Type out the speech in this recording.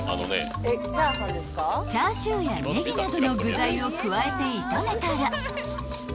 ［チャーシューやネギなどの具材を加えて炒めたら］